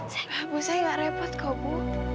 saya gak repot kok bu